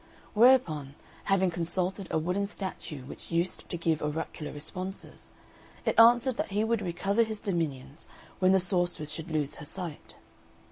Whereupon, having consulted a wooden statue which used to give oracular responses, it answered that he would recover his dominions when the sorceress should lose her sight.